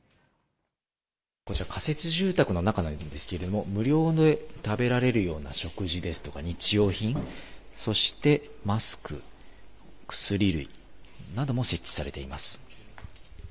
こちら仮設住宅の中ですけれど、無料で食べられるような食事ですとか日用品、そしてマスク、薬類なども設置されています。